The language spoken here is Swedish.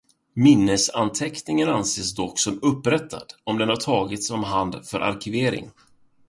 Minnesanteckningen anses dock som upprättad om den har tagits om hand för arkivering.